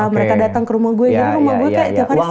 mereka datang ke rumah gue jadi rumah gue kayak